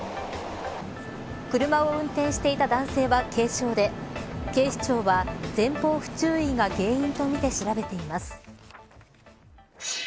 車を運転していた男性は軽傷で警視庁は前方不注意が原因とみて調べています。